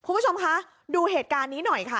คุณผู้ชมคะดูเหตุการณ์นี้หน่อยค่ะ